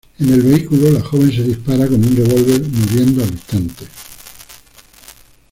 En el vehículo la joven se dispara con un revólver, muriendo al instante.